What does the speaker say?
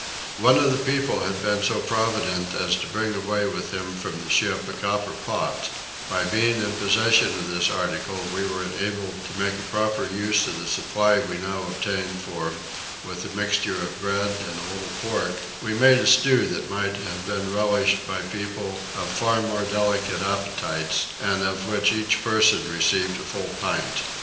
One of the people had been so provident as to bring away with him from the ship a copper pot: by being in possession of this article we were enabled to make a proper use of the supply we now obtained for, with a mixture of bread and a little pork, we made a stew that might have been relished by people of far more delicate appetites, and of which each person received a full pint.